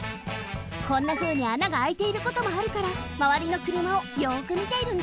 こんなふうにあながあいていることもあるからまわりのくるまをよくみているんだって。